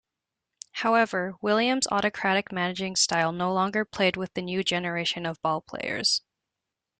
However, Williams' autocratic managing style no longer played with the new generation of ballplayers.